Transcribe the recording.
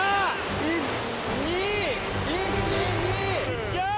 １２１２あ！